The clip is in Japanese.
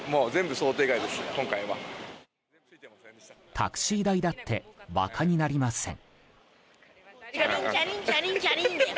タクシー代だって馬鹿になりません。